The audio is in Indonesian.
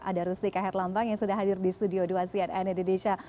ada rustika herlambang yang sudah hadir di studio dua cnn indonesia